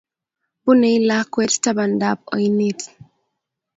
Bunei lakwet tapandap oinet